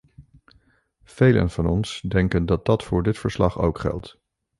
Velen van ons denken dat dat voor dit verslag ook geldt.